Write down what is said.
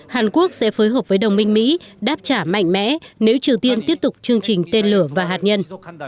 hàn quốc sẽ phối hợp với đồng minh mỹ đáp trả mạnh mẽ nếu triều tiên tiếp tục chương trình tên lửa và hạt nhân